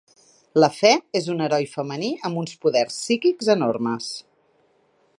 La fe és un heroi femení amb uns poders psíquics enormes.